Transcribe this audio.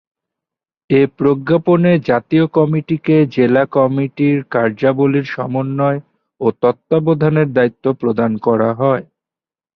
এ প্রজ্ঞাপনে জাতীয় কমিটিকে জেলা কমিটির কার্যাবলির সমন্বয় ও তত্ত্বাবধানের দায়িত্ব প্রদান করা হয়।